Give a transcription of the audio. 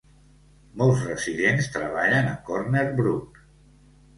Molts residents treballen a Corner Brook.